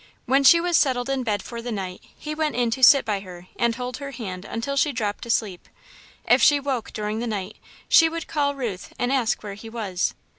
When she was settled in bed for the night, he went in to sit by her and hold her hand until she dropped asleep. If she woke during the night she would call Ruth and ask where he was.